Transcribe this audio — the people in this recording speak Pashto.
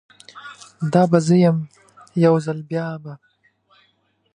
دا به زه یم، یوځل بیابه